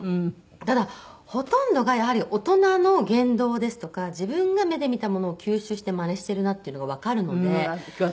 ただほとんどがやはり大人の言動ですとか自分が目で見たものを吸収してまねしてるなっていうのがわかるので。